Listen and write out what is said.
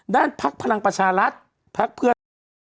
ด้านภักดิ์พลังประชารัฐภักดิ์เพื่อน